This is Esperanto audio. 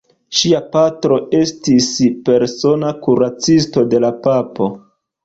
Ŝia patro estis persona kuracisto de la papo.